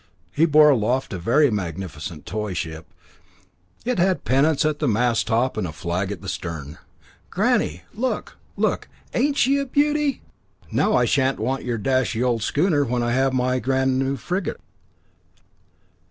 He bore aloft a very magnificent toy ship. It had pennants at the mast top and a flag at stern. "Granny! look! look! ain't she a beauty? Now I shan't want your drashy old schooner when I have my grand new frigate."